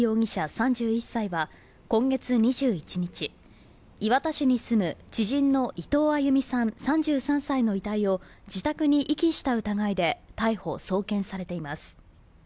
３１歳は今月２１日、磐田市に住む知人の伊藤亜佑美さん３３歳の遺体を遺体を自宅に遺棄した疑いで逮捕・送検されています。